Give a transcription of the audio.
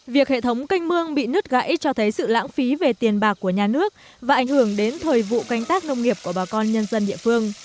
việc hệ thống canh mương bị nứt gãy cho thấy sự lãng phí về tiền bạc của nhà nước và ảnh hưởng đến thời vụ canh tác nông nghiệp của bà con nhân dân địa phương